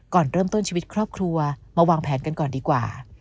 ก่อนเริ่มต้นชีวิตครอบครัวมาวางแผนกันก่อนดีกว่า